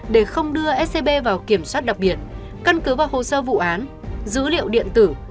để không đưa scb vào kiểm soát đặc biệt căn cứ vào hồ sơ vụ án dữ liệu điện tử